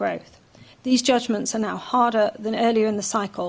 penyelesaian ini sekarang lebih sukar daripada sebelumnya dalam kabel